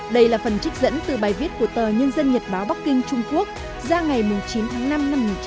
đây là phần trích dẫn từ bài viết của tờ nhân dân nhật báo bắc kinh trung quốc ra ngày chín tháng năm năm một nghìn chín trăm bảy mươi